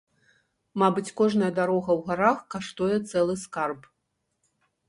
Мабыць, кожная дарога ў гарах каштуе цэлы скарб.